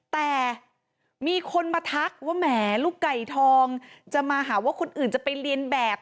แต่มีคนมาทักว่าแหมลูกไก่ทองจะมาหาว่าคนอื่นจะไปเรียนแบบ